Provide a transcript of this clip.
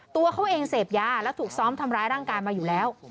ตัวเขาเองเสพยาแล้วถูกซ้อมทำร้ายร่างกายมาอยู่แล้ว